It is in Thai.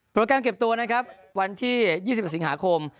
แกรมเก็บตัวนะครับวันที่๒๑สิงหาคม